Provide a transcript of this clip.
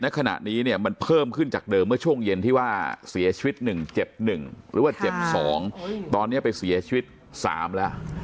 ขณะนี้เนี่ยมันเพิ่มขึ้นจากเดิมเมื่อช่วงเย็นที่ว่าเสียชีวิต๑เจ็บ๑หรือว่าเจ็บ๒ตอนนี้ไปเสียชีวิต๓แล้ว